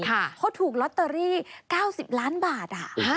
เขาถูกลอตเตอรี่๙๐ล้านบาท